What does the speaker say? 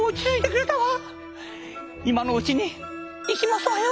今のうちにいきますわよ！